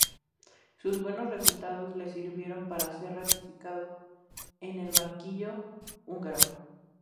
Sus buenos resultados le sirvieron para ser ratificado en el banquillo húngaro.